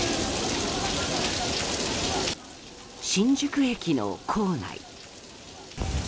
新宿駅の構内。